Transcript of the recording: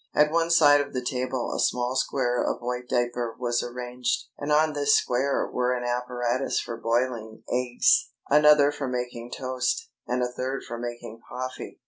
At one side of the table a small square of white diaper was arranged, and on this square were an apparatus for boiling eggs, another for making toast, and a third for making coffee.